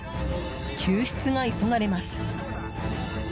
救出が急がれます。